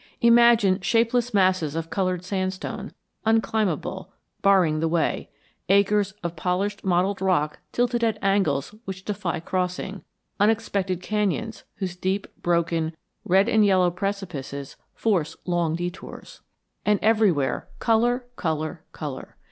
Imagine shapeless masses of colored sandstone, unclimbable, barring the way; acres of polished mottled rock tilted at angles which defy crossing; unexpected canyons whose deep, broken, red and yellow precipices force long detours. And everywhere color, color, color.